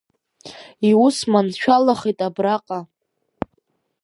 Иус маншәалахеит абраҟа…